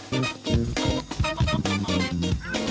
เฮ้ย